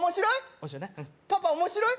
パパ面白い？